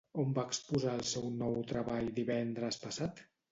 On va exposar el seu nou treball divendres passat?